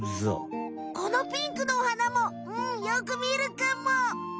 このピンクのお花もうんよくみるかも！